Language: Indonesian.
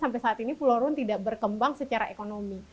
sampai saat ini pulau rune tidak berkembang secara ekonomi